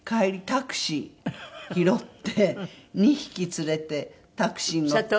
タクシー拾って２匹連れてタクシーに乗ったら。